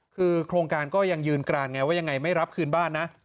คือโครงการก็ยังยืนกลางไงว่ายังไงไม่รับคืนบ้านนะ